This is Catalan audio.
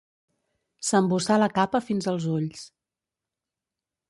S'emboçà la capa fins als ulls.